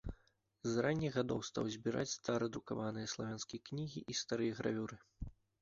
З ранніх гадоў стаў збіраць старадрукаваныя славянскія кнігі і старыя гравюры.